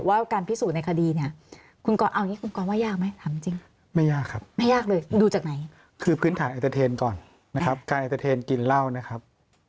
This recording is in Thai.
ว่าใครถูกใครผิดหรือเชื่อใครมากกว่ากัน